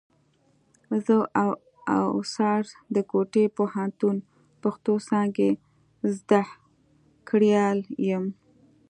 زه اوڅار د کوټي پوهنتون پښتو څانګي زدهکړيال یم.